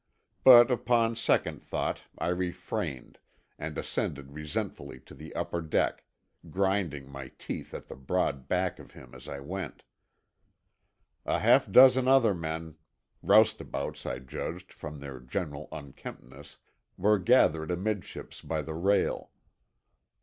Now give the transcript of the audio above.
But upon second thought I refrained, and ascended resentfully to the upper deck, grinding my teeth at the broad back of him as I went. A half dozen other men, roustabouts I judged from their general unkemptness, were gathered amidships by the rail.